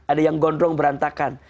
ada yang gondrong berantakan